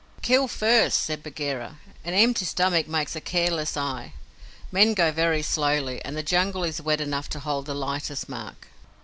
"Kill first," said Bagheera. "An empty stomach makes a careless eye. Men go very slowly, and the Jungle is wet enough to hold the lightest mark."